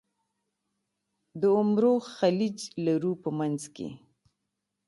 د عمرو خلیج لرو په منځ کې.